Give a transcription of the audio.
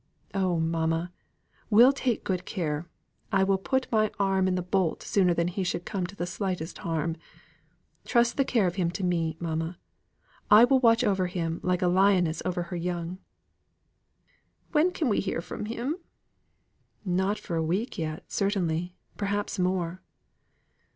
"Oh, mamma! we'll take good care. I will put my arm in the bolt sooner than he should come to the slightest harm. Trust the care of him to me, mamma. I will watch over him like a lioness over her young." "When can we hear from him?" "Not for a week yet, certainly perhaps more."